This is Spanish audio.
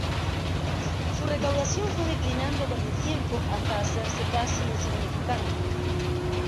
Su recaudación fue declinando con el tiempo hasta hacerse casi insignificante.